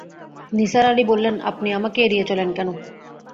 নিসার আলি বললেন, আপনি আমাকে এড়িয়ে চলেন কেন?